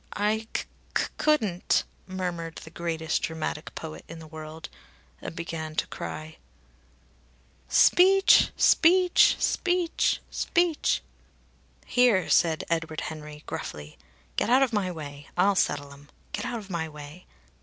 "I c couldn't," murmured the greatest dramatic poet in the world; and began to cry. "Speech! Speech! Speech! Speech!" "Here!" said Edward Henry gruffly. "Get out of my way! I'll settle 'em. Get out of my way!"